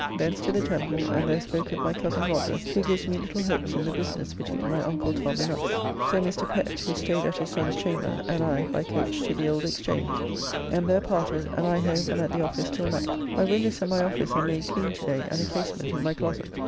Thence to the Temple, and there spoke with my cozen Roger, who gives me little hopes in the business between my Uncle Tom and us. So Mr. Pett (who staid at his son's chamber) and I by coach to the old Exchange, and there parted, and I home and at the office till night. My windows at my office are made clean to day and a casement in my closet.